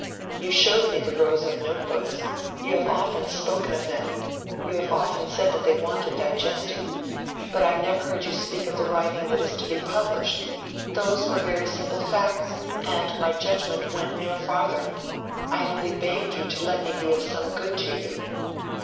"You showed me the rows of notebooks—you have often spoken of them—you have often said that they wanted digesting. But I never heard you speak of the writing that is to be published. Those were very simple facts, and my judgment went no farther. I only begged you to let me be of some good to you."